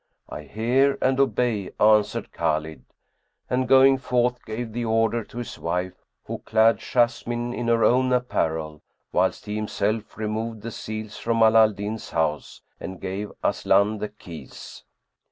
"I hear and obey," answered Khбlid; and, going forth, gave the order to his wife who clad Jessamine in her own apparel; whilst he himself removed the seals from Ala al Din's house and gave Aslan the keys.